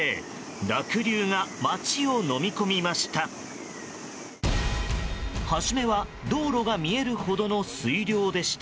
濁流が街をのみ込みました。